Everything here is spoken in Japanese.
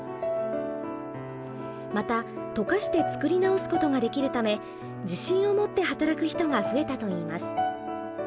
また溶かして作り直すことができるため自信を持って働く人が増えたといいます。